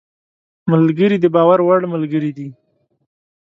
ملګری د باور وړ ملګری دی